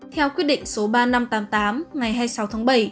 theo quyết định số ba nghìn năm trăm tám mươi tám ngày hai mươi sáu tháng bảy